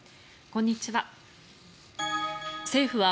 こんにちは。